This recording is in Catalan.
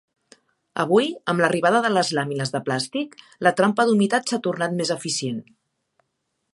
Avui, amb l'arribada de les làmines de plàstic, la trampa d'humitat s'ha tornat més eficient.